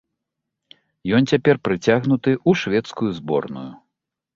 Ён цяпер прыцягнуты ў шведскую зборную.